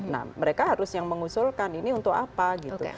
nah mereka harus yang mengusulkan ini untuk apa gitu